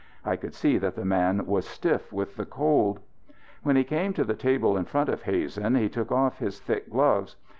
I could see that the man was stiff with the cold. When he came to the table in front of Hazen he took off his thick gloves.